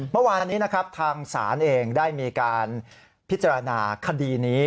เมื่อวานนี้นะครับทางศาลเองได้มีการพิจารณาคดีนี้